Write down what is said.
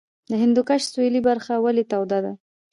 د هندوکش سویلي برخه ولې توده ده؟